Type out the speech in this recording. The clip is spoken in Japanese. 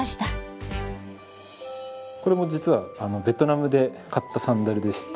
これも実はベトナムで買ったサンダルでして。